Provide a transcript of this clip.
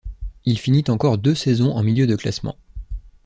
Il finit encore deux saisons en milieu de classement.